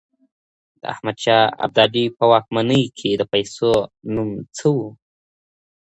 د احمد شاه ابدالي په واکمنۍ کي د پیسو نوم څه و؟